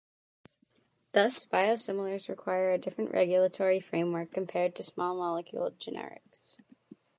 Thus, biosimilars require a different regulatory framework compared to small-molecule generics.